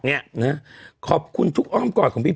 นี่แต่ไปดูว่าคุณเอกขวัญกลับช่องเจ็ด